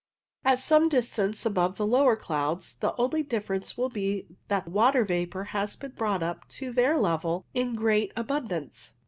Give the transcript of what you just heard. At some distance above the lower clouds the only difference will be that water vapour has been brought up to their level in great abundance.